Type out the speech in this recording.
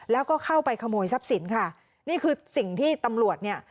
แล้วก็เข้าไปขโมยทรัพย์สินค่ะนี่คือสิ่งที่ตำรวจเนี่ย